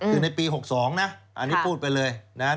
คือในปี๖๒นะอันนี้พูดไปเลย๑